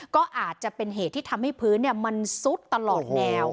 ก็อาจจะเป็นเหตุที่ทำให้พื้นมันซุดตลอดแนว